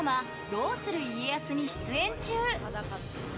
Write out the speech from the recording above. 「どうする家康」に出演中。